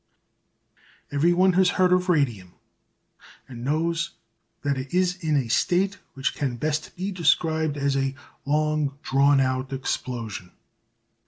Everyone has heard of radium, and knows that it is in a state which can best be described as a long drawn out explosion.